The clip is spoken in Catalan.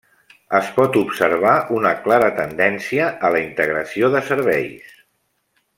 Es pot observar una clara tendència a la integració de serveis.